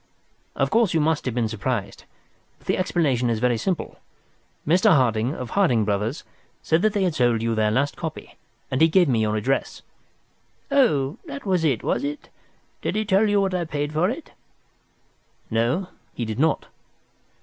"Of course you must have been surprised, but the explanation is very simple. Mr. Harding, of Harding Brothers, said that they had sold you their last copy, and he gave me your address." "Oh, that was it, was it? Did he tell you what I paid for it?" "No, he did not."